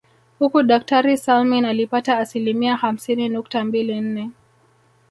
Huku daktari Salmin alipata asilimia hamsini nukta mbili nne